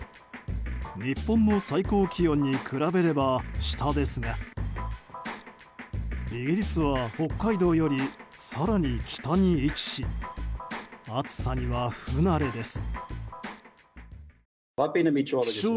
日本の最高気温に比べれば下ですがイギリスは北海道より更に北に位置し暑さには不慣れです。